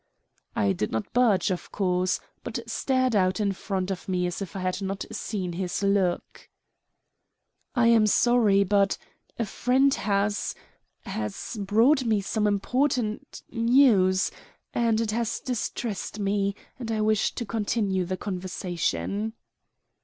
I did not budge, of course, but stared out in front of me as if I had not seen his look. "I am sorry, but a friend has has brought me some important news, and it has distressed me and I wish to continue the conversation."